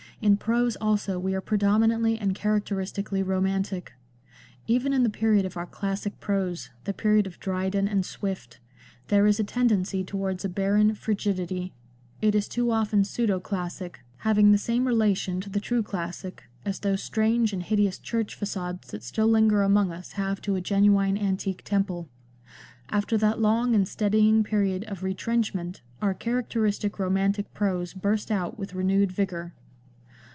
In prose also we are predominantly and characteristically romantic. Even in the period of our classic prose, the period of Dryden and Swift, there is a tendency towards a barren frigidity ; it is too often pseudo classic, having the same relation to the true classic as those strange and hideous ohwroh facades that still linger among us have to a genuine antique temple. After that long and steadying period of retrenchment our characteristic romantic prose burst out with renewed vigour.